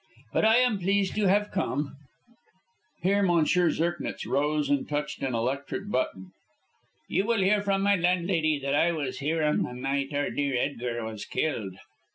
But I am pleased you have come." Here M. Zirknitz rose and touched an electric button. "You will hear from my landlady that I was here on the night our dear Edgar was killed."